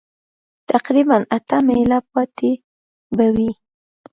تقریباً اته مېله پاتې به وي.